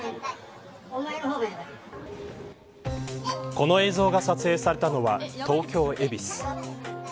この映像が撮影されたのは東京、恵比寿。